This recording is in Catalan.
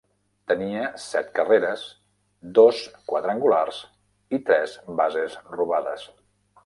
Tenia set carreres, dos quadrangulars i tres bases robades.